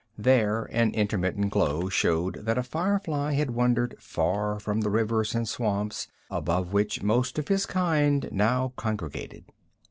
There an intermittent glow showed that a firefly had wandered far from the rivers and swamps above which most of his kind now congregated.